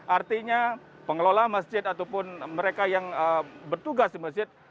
artinya pengelola masjid ataupun mereka yang bertugas di masjid